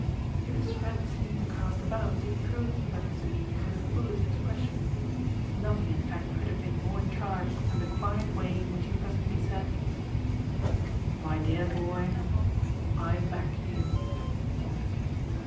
If his friend seemed to cast about it proved but to be for the fullest expression. Nothing in fact could have been more charged than the quiet way in which he presently said: "My dear boy, I back you."